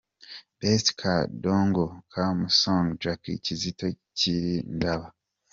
Best Kadongo Kamu Song Jackie Kizito – Zirindaba.